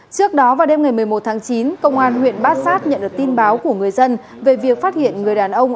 trước đó vào đêm ngày một mươi một tháng chín công an huyện bát sát nhận được tin báo của người dân về việc phát hiện người đàn ông